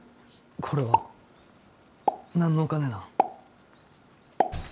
これは何のお金なん？